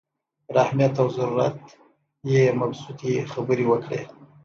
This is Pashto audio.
پر اهمیت او ضرورت یې مبسوطې خبرې وکړې.